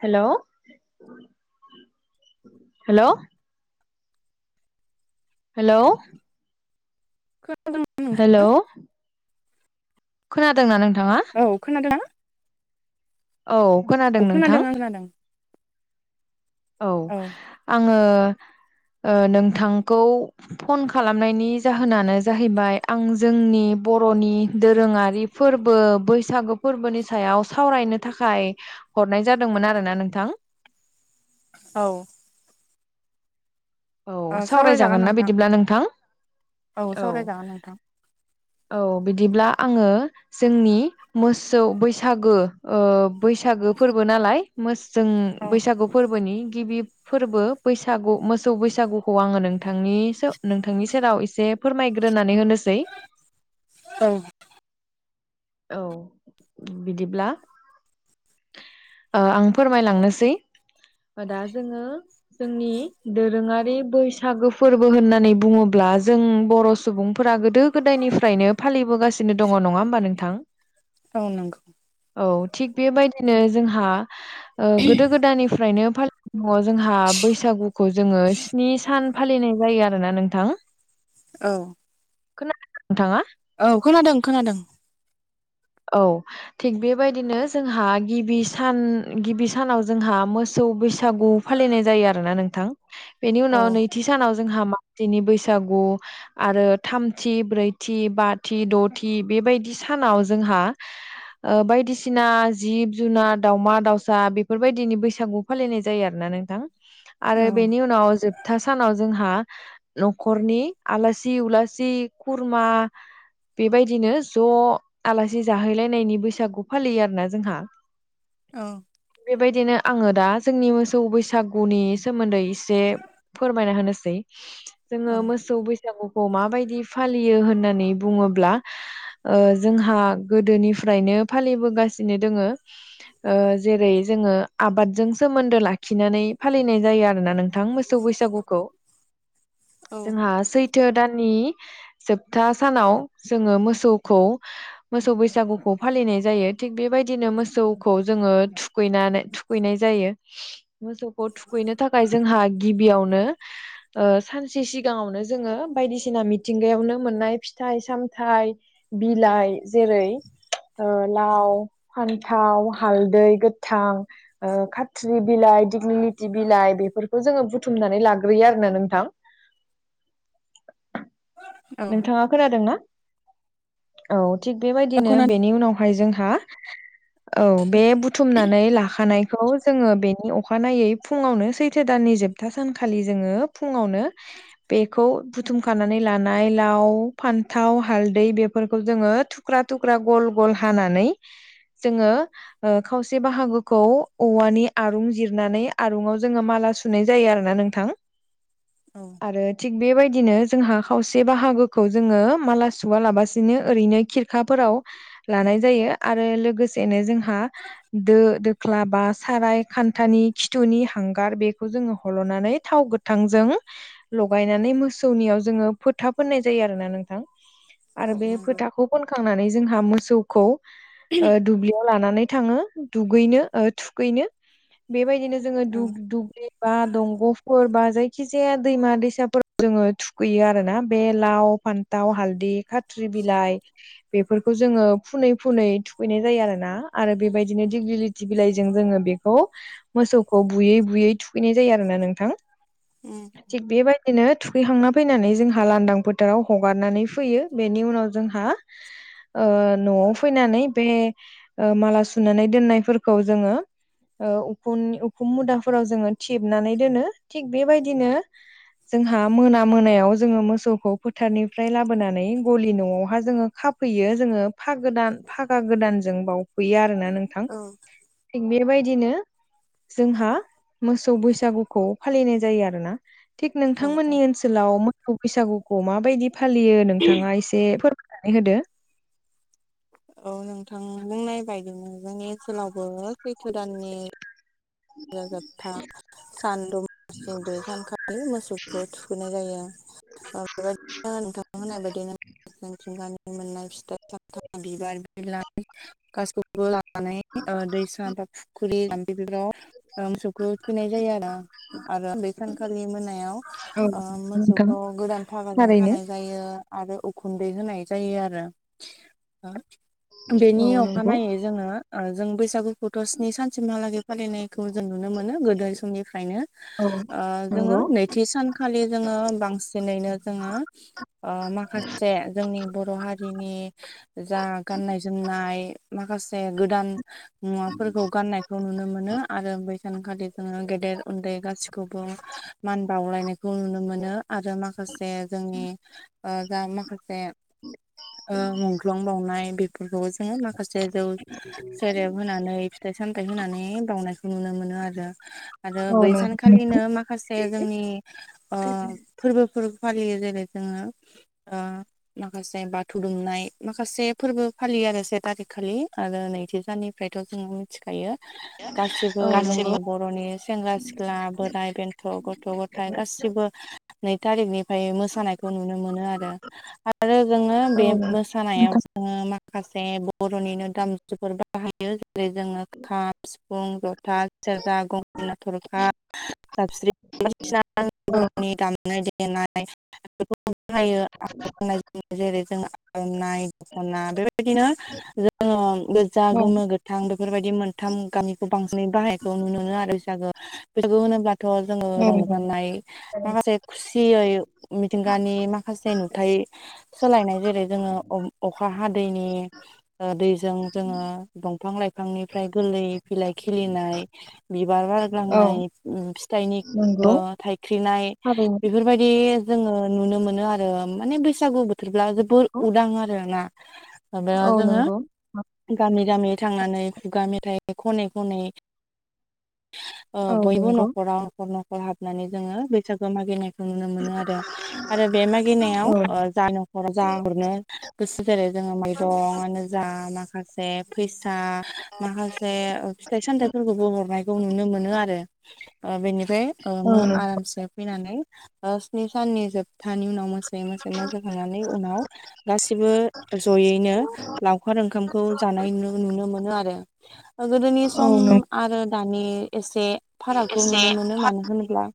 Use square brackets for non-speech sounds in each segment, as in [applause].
हेल' hello? हेल'। खोनादों नोंथां hello. खोनादोंना नोंथाङा। औ खोनादोंना? औ औ खोनादों नोंथां। आं खोनादों औ आङो ओ नोंथांखौ फन खालामनायनि जाहोनानो जाहैबाय आं जोंनि बर'नि दोरोङारि फोरबो बैसागो फोरबोनि सायाव सावरायनो थाखाय हरनाय जादोंमोन आरो ना नोंथां। औ। औ ओ सावरायजागोन ना नोंथां बिदिब्ला नोंथां औ। सावरायजागोन नोंथां औ बिदिब्ला आङो जोंनि मोसौ बैसागो ओ बैसागो फोरबो नालाय। जों औ बैसागु फोरबोनि गिबि फोरबो बैसागु मोस मोसौ बैसागुखौ आङो नोंथांनि नोंथांनि सेराव एसे फोरमायग्रोनानै होनोसै। [inaudible] औ। औ बिदिब्ला आं फोरमायलांनोसै दा जोङो जोंनि दोरोङारि बैसागो फोरबो होननानै बुङोब्ला जों बर' सुबुं फोरा गोदो गोदायनिफ्रायनो फालिबोगासिनो दङ नङा होमबा नोंथां। औ नंगौ। औ थिग बेबायदिनो जोंहा ओ गोदो गोदायनिफ्रायनो फालि दङ जोंहा बैसागुखौ जोङो स्नि सान फालिनाय जायो आरोना नोंथां। औ। खोनादों ना नोंथाङा। औ खोनादों खोनादों। औ। थिग बेबायदिनो जोंहा गिबि सान गिबि सानाव जोंहा मोसौ बैसागु फालिनाय जायो आरोना नोंथां बेनि औ उनाव नैथि सानाव जोंहा मालिनि बैसागु आरो थामथि ब्रैथि बाथि दथि बेबायदि सानाव जोंहा ओ बायदिसिना जिब जुनार दावमा दाउसा बेफोरबायदिनि बैसागु फालिनाय जायो आरोना नोंथां औ आरो बेनि उनाव जोबथा सानाव जोंहा न'खरनि आलासि उलासि खुरमा बेबायदिनो ज' आलासि जाहैलायनायनि बैसागु फालियो आरोना जोंहा। औ। बेबायदिनो आङो दा जोंनि मोसौ बैसागुनि सोमोन्दै एसे फोरमायना होनोसै जोङो मोसौ बैसागुखौ माबायदि फालियो होननानै बुङोब्ला ओ जोंहा गोदोनिफ्रायनो फालिबोगासिनो दोङो ओ जेरै जोङो आबादजों सोमोन्दो लाखिनानै फालिनाय जायो आरोना नों थां मोसौ बैसागुखौ औ जोंहा सै थो दाननि जोबथा सानाव जोङो मोसौखौ मोसौ बैसागुखौ फालिनाय जायो थिग बेबायदिनो मोसौखौ जोङो थुखैनानै थुख खैनाय जायो मोसौखौ थुखैनो थाखाय जोंहा गिबियावनो ओ सानसे सिगाङावनो जोङो बायदिसिना मिथिंगायावनो मोननाय फिथाइ सामथाइ बिलाइ जेरै ओ लाव, फान्थाव, हालदै गोथां, ओ खाथ्रि बिलाइ दिग्लि दी बिलाइ बेफोरखौ जोङो बुथुमनानै लाग्रोयो आरो ना नोंथां। औ नोंथाङा खोनादोंना? औ थिग बेबायदिनो खोनादों बेनि उनाव जोंहा औ बे बुथुमनानै लाखानाय खौ जोङो बेनि अखानायै फुङावनो, सैथो दाननि जोबथा सानखालि जोङो फुङावनो, बेखौ बुथुमखानानै लानो, [unintelligible] लाव, फान्थाव, हालदै बेफोरखौ जोङो थुख्रा-थुख्रा, गल-गल हानानै, जोङो, ओ खावसे बाहागोखौ औवानि आरुं जिरनानै, आरुंयाव जोङो माला सु- सुनाय जायो आरो ना नोंथां। औ आरो थिग बेबायदिनो जोंहा, खावसे बाहागोखौ जोङो माला सुवा लाबसिनो ओरैनो खिरखाफोराव लानाय जायो आरो लोगोसेनो जोंहा दो-दोख्ला बा, साराय, खान्थानि खिथुनि हांगार बेखौ जोङो हल'नानै थाव गो - थांजों लगायनानै मोसौनियाव जोङो फोथा फोननाय जायो आरोना नोंथां औ आरो बे नंगौ फोथाखौ फोनखांनानै जोंहा मोसौ खौ दुब्लियाव लानानै थाङो, दुगैनो ओ थुखैनो बेबायदिनो जोङो औ दुब- दुब्लि बा दंग'फोर बा, जायखि जाया दैमा-दैसाफोर जोङो थुखैयो आरो आरोना बे लाव, फान्थाव, हालदि, खाथ्रि बिलाइ। बेफोरखौ जोङो फुनै-फुनै थुखैनाय जायो आरो ना‌ आरो बेबायदिनो दिग्लि, -थि बिलाइजों जोङो, बेखौ मोसौखौ बुयै-बुयै थुखैनाय जायो आरो ना नोंथां। उ थिग बेबायदिनो थुखैखांना फैनानै जोंहा लांदां फोथाराव हगारनानै फैयो। बेनि उनाव जोंहा ओ न'आव फैनानै बे ओ माला सुनानै दोननायफोरखौ जोङो ओ उख उखुम मुदाफोराव जोङो थिबनानै दोनो थिग बेबायदिनो जोंहा मोना-मोनायाव जोङो मोसौखौ फोथारनिफ्राय लाबोनानै गलि न'आवहायजोङो खाफैयो जोङो फाग गोदान- फागा गोदानजों बावफैयो आरो ना नोंथां । औ थिग बेबायदिनो जोंहा मोसौ बैसागुखौ फालिनाय जायो आरो ना । थिग औ औ नोंथांमोननि ओनसोलाव मोखौ बैसागुखौ माबायदि फालियो नोंथाङा एसे फोर नानै होदो औ नोंथां बुंनायबायदिनो जोंनि ओनसोलावबो सैथो दाननि [unintelligible] सान बे सानखालि मोसौखौबो थुखैनाय जायो। बेबायदिनो नोंथां होनाय बायदिनो [unintelligible] [unintelligible] लानानै ओ दैसा बा फुख्रि जामफै बेफोराव ओ मोसौखौ थुखैनाय जायो आरो बे सानखालि मोनायाव औ ओ नोंथां मोसौखौ गोदान फागाजों थारैनो खानाय जायो। आरो उखुन्दै होनाय जायो आरो बेनि औ नंगौ अखानायै जोङो ओ जों बैसागुखौथ' स्नि सानसिमहालागै फालिनाय खौ‌ जों नुनो मोनो गोदो समनिफ्रायनो औ ओ जोङो नंगौ नै थि सानखालि जोङो बांसिनैनो जोङो ओ माखासे, जोंनि बर' हारिनि जा गाननाय-जोमनाय माखासे गोदान मुवाफोरखौ गाननायखौ नुनो मोनो। आरो बै सानखालि जोङो गेदेर उन्दै गासिखौबो मान बावलायनायखौ नुनो मोनो। आरो माखासे जोंनि ओ जा माखासे ओ मुंख्लं बाउनाय बेफोरखौ जोङो माखासे जौ सेरेब होनानै फिथाइ सामथायाइ होनानै बावनायखौ नुनो मोनो आरो आरो औ बै नंगौ सानखालिनो माखासे जोंनि ओ फोरबोफोर फालियो जेरै जोङो माखासे बाथौ दुमनाय माखासे फोरबो फालियो आरो से थारिखखालि आरो नैथि साननि थ' जोङो मिथिखायो गासिबो जोंनि बर'नि सेंग्रा सिख्ला बोराइ बेन्थ' गथ' गथाय गासिबो नै थारिखनिफ्राय मोसानायखौ नुनो मोनो आरो आरो जोङो औ बे मोसा नायाव जोङो माखासे बर'निनो दामजुफोर [inaudible] बाहायो जेरै जोङो [inaudible] खाम सिफुं जथा सेरजा गंग नाथरखा [inaudible] साबस्रि बायदिसिनानि दाम [inaudible] नाय देनाय बेफोरखौ [inaudible] जेरै जों आर'नाइ दख'ना आरो [inaudible] बेफोरबायदिनो जोङो गोजा औ गोमो गोथां बेफोरबायदि मोनथाम गामिखौ बांसि [inaudible] ै बाहायखौ नुनो मोनो आरो बैसागो बैसागु होनोब्लाथ' जोङो औ रंजानाय माखासे खुसियै मिथिंगानि माखासे नुथायाइ सोलायनाय जेरै जोङो अखा हादैनि दैजों जोङो दंफां लाइफांनिफ्राय गोरलै फिलाय खिलिनाय बिबार औ बारग्लांनाय फिथाइनि नंगौ थाइख्रिनाय थारैनो बेफोरबायदि जोङो नुनो मोनो आरो माने बैसागु बोथोरब्ला जोबोर नंगौ उदां आरो ना। माबयाव औ जोङो नंगौ गामि गामि थांनानै खुगा मेथाइ खनै खनै औ बयबो नंगौ न'खराव नखर न'खर हाबनानै जोङो बैसागो मागिनाय नुनो मोनो आरो आरो बे मागिनायाव औ जा न'खर जा हरनो गोसो जेरै जोङो मैरंआानो जा माखासे माखासे फैसा माखासे फथाइ सामथाइफोरखौबो हरनायखौ नुनो मोनो आरो। बेनिफ्राय औ आरामसे फैनानै स्नि साननि जोबथानि उनाव मोसानाय मो मोसायै मोसाखांनानै उनाव गासिबो जयैनो लावखार ओंखामखौ जानाय नुनो मोनो आरो। गोदोनि औ सम नंगौ आरो दानि एसे फारागखौ एसे नुनो मोनो मानो होनोब्ला?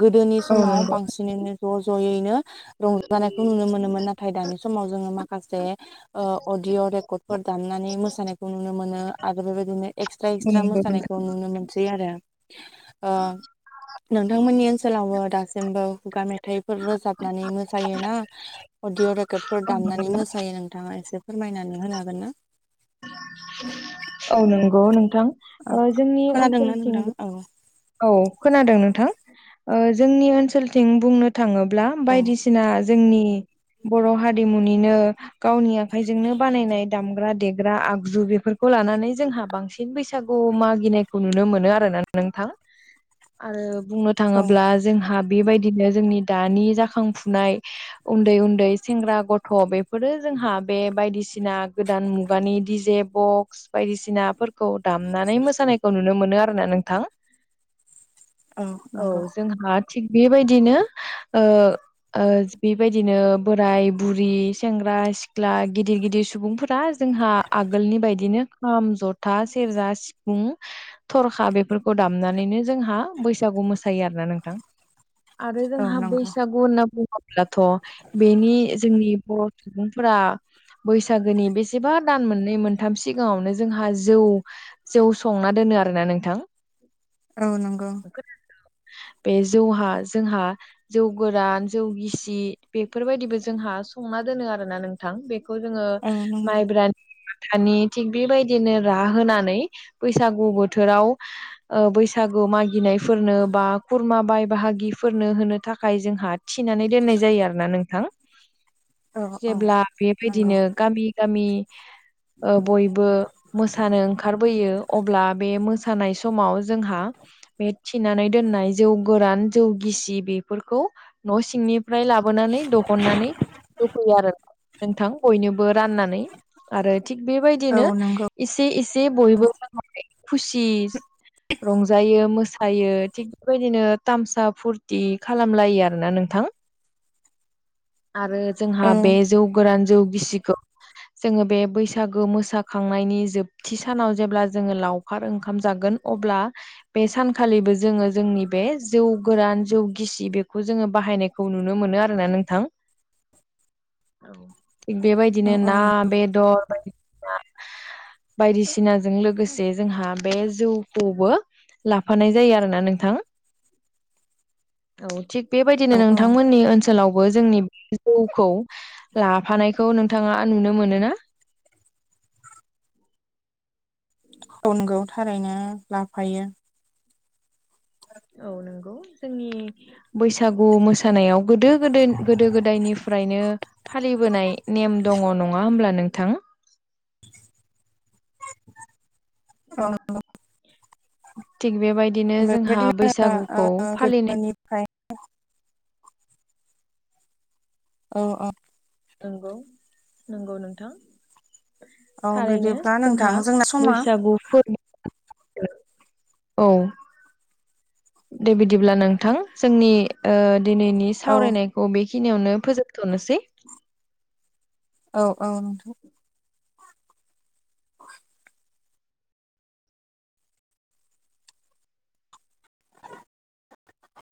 गोदोनि औ समाव नंगौ बांसिनैनो ज' ज'यैनो रंजानायखौ नुनो मोनोमोन नाथाय दानि समाव जोङो माखासे अडअ' रेकर्डफोर दामनानै मोसानायखौ नुनो मोनो आरो बेबायदिनो एक्सट्रा एक्सट्रा नंगौ मोसानायखौ नुनो मोनसै आरो। नोंथांमोननि ओनसोलावबो दासिमबो खुगा मेथाइफोर रोजाबनानै मोसायो ना अदिअ' रेकर्डफोर दामनानै मोसायो? नों नोंथाङा एसे फोरमायनानै होनो हागोन ना? औ नंगौ नोंथां औ जोंनि खोनादोंना ओनसोलथिं नोंथां औ औ खोनादों नोंथां जोंनि ओनसोलथिं बुंनो थाङोब्ला औ बायदिसिना जोंनि बर' हारिमुनिनो गावनि आखाइजोंनो बानायनाय दामग्रा देग्रा आगजु बेफोरखौ लानानै जोंहा बांसिन बैसागु मागिनायखौ नुनो मोनो आरोना नोंथां। आरो बुंनो औ थाङोब्ला जोंहा बेबायदिनो जोंनि दानि जाखांफुनाय उन्दै उन्दै सेंग्रा गथ' बेफोरो जोंहा बे बायदिसिना गोदान मुगानि दिजेब बक्स बायदिसिनाफोरखौ दामनानै मोसानायखौ नुनो मोनो आरोना नोंथां। औ जोंहा थिग बेबायदिनो बेबायदिनो बोराय बुरि सेंग्रा सिख्ला गिदिर गिदिर सुबुंफोरा जोंहा आगोलनि बायदिनो खाम ज जथा, सेरजा, सिफुं, थरखा बेफोरखौ दामना नैनो जोंहा बैसागु मोसायो आरो ना नोंथां आरो औ जोंहा नंगौ बैसागु होनना बुंब्लाथ' बेनि जोंनि बर' सुबुंफोरा बैसागोनि बेसेबा दान मोननै मोनथाम सिगाङावनो जोंहा जौ जौ संना दोनो आरो ना नोंथां। औ नंगौ। बे जौहा जोंहा जौ गोरान जौ गिसि बेफोरबायदिबो जोंहा संना दोनो आरो ना नोंथां। बे खौ जोङो औ नंगौ माइब्रा थानि थिग बेबायदिनो राह होनानै बैसागु बोथोराव ओ बै बैसागु मागिनायफोरनो बा खुरमा बाय बाहागिफोरनो होनो थाखाय जोंहा थिनानै दोननाय जायो आरो ना नोंथां औ औ जेब्ला नंगौ बेबायदिनो गामि गामि ओ बयबो मोसानो ओंखारबोयो अब्ला बे मोसानाय समाव जोंहा बे थिनानै दोननाय जौ गोरान जौ गिसि बेफोरखौ न' सिंनि ओमफ्राय लाबोनानै दिहुननानै होफैयो आरो नोंथां बयनोबो राननानै आरो थिग औ बेबायदिनो नंगौ एसे एसे बयबो खुसि रंजायो मोसायो थिग बेबायदिनो थामसा फुरथि खालामलायो आरो ना नोंथां आरो जोंहा औ बे जौ गोरान जौ गिसिखौ जोङो बे बैसागो मोसाखांनायनि जोबथि सानाव जेब्ला जोङो लावखार ओंखाम जागोन। अब्ला बे सानखालिबो जोङो जोंनि बे जौ गोरान जौ गिसि बेखौ जोङो बाहायनाय खौ नुनो मोनो आरो ना नोंथां औ थिग औ बेबायदिनो ना बेदर [unintelligible] बायदिसिनाजों लोगोसे जोंहा बे जौखौबो लाफानाय जायो आरो ना नोंथां औ थिग औ बेबायदिनो नोंथांमोननि ओनसो लावबो जोंनि बे जौखौ लाफानायखौ नोंथाङा नुनो मोनो ना औ नंगौ थारैनो लाफायो औ नंगौ जोंनि बैसागु मोसानायाव गोदो गोदो गोदो-गोदायनिफ्रायनो फालिबोनाय नेम दङ नङा होमब्ला नोंथां? औ नंगौ थिग बेबायदिनो जोंहा बेबायदिनो बैसागुखौ ओ फालिनाय [unintelligible] औ औ नंगौ नंगौ नोंथां औ थारैनो बिदिब्ला नोंथां जोंहा जोंना समा बैसागु फोरबो औ दे बिदिब्ला नोंथां जोंनि ओ दिनैनि ओ सावरायनाय औ बेखिनियावनो फोजोबथ'नोसै औ औ नोंथां [unintelligible] [unintelligible]